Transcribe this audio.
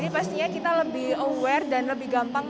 pastinya kita lebih aware dan lebih gampang